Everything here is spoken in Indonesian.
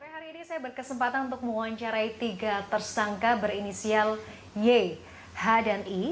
hari ini saya berkesempatan untuk mewawancarai tiga tersangka berinisial y h dan i